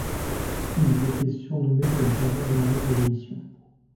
Ils étaient surnommés comme parrains et marraines de l'émission.